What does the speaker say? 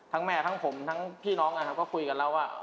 ทั้งแม่ทั้งผมทั้งพี่น้องก็คุยกันแล้วว่า